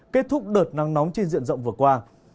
kết thúc đợt nắng nóng trên diện rộng vừa qua